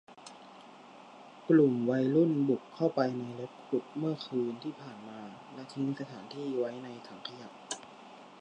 กลุ่มวัยรุ่นบุกเข้าไปในรถขุดเมื่อคืนที่ผ่านมาและทิ้งสถานที่ไว้ในถังขยะ